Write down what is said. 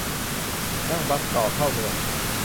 นั่งบัสต่อเข้าเมือง